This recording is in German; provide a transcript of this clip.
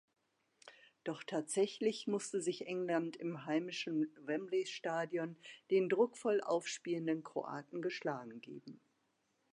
Doch tatsächlich musste sich England im heimischen Wembley-Stadion den druckvoll aufspielenden Kroaten geschlagen geben.